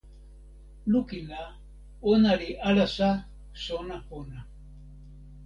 lukin la, ona li alasa sona pona.